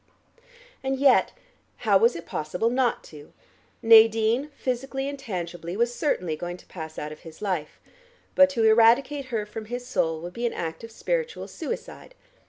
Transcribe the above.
And yet how was it possible not to? Nadine, physically and tangibly, was certainly going to pass out of his life, but to eradicate her from his soul would be an act of spiritual suicide.